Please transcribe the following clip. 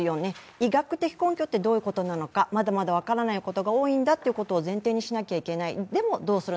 医学的根拠ってどういうことなのか、まだまだわからないことが多いんだというのを前提にしなければいけない